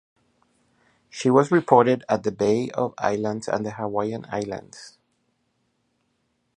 She was reported at the Bay of Islands and the Hawaiian islands.